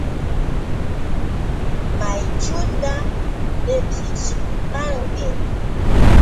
¿Mayćhuta riqsishqanki?